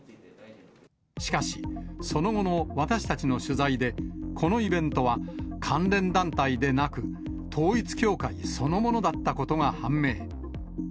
しかし、その後の私たちの取材で、このイベントは関連団体でなく、統一教会そのものだったことが判明。